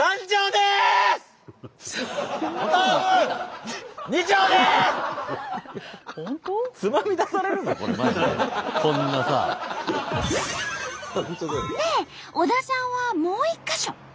で小田さんはもう１か所。